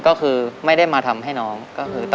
ก็คือไม่ได้มาทำให้น้องก็คือ